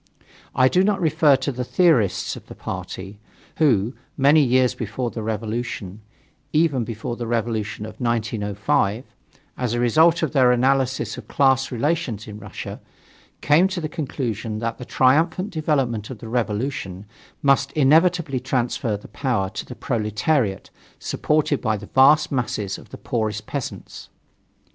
I do not refer to the theorists of the party, who, many years before the revolution even before the revolution of 1905 as a result of their analysis of class relations in Russia, came to the conclusion that the triumphant development of the revolution must inevitably transfer the power to the proletariat, supported by the vast masses of the poorest peasants.